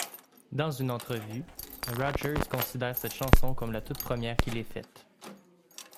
Dans une entrevue, Rodgers considère cette chanson comme la toute première qu'il ait faite.